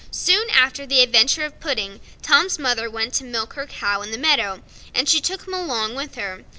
Soon after the adventure of the pudding, Tom's mother went to milk her cow in the meadow, and she took him along with her.